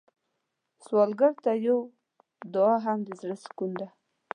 سوالګر ته یو دعا هم د زړه سکون دی